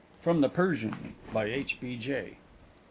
_From the Persian, by H. B. J.